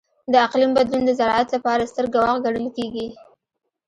د اقلیم بدلون د زراعت لپاره ستر ګواښ ګڼل کېږي.